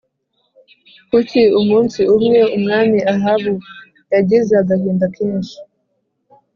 Kuki umunsi umwe Umwami Ahabu yagize agahinda kenshi